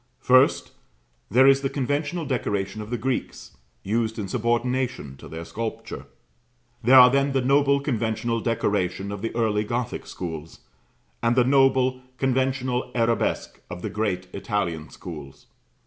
First, there is the conventional decoration of the Greeks, used in subordination to their sculpture. There are then the noble conventional decoration of the early Gothic schools, and the noble conventional arabesque of the great Italian schools.